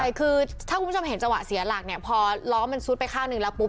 ใช่คือถ้าคุณผู้ชมเห็นจังหวะเสียหลักเนี่ยพอล้อมันซุดไปข้างหนึ่งแล้วปุ๊